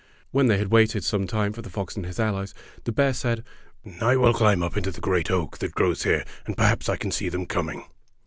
When they had waited some time for the fox and his allies, the bear said, "I will climb up into the great oak that grows here, and perhaps I can see them com ing."